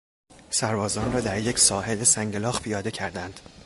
سربازان را در یک ساحل سنگلاخ پیاده کردند.